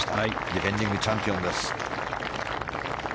ディフェンディングチャンピオンです。